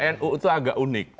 nu itu agak unik